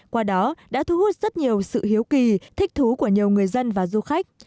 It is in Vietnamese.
qua đó đã thu hút rất nhiều sự hiếu kỳ thích thú của nhiều người dân và du khách